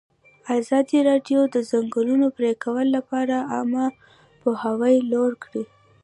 ازادي راډیو د د ځنګلونو پرېکول لپاره عامه پوهاوي لوړ کړی.